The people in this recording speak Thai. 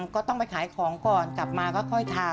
ก็ต้องไปขายของก่อนกลับมาก็ค่อยทำ